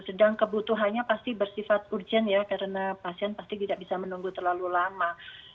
sedang kebutuhannya pasti bersifat urgent ya karena pasien pasti tidak bisa menunggu terlalu lama